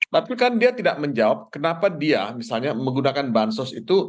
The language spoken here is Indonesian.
tapi kan dia tidak menjawab kenapa dia misalnya menggunakan bansos itu